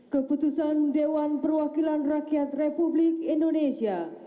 keputusan dewan perwakilan rakyat republik indonesia